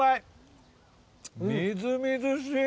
みずみずしい！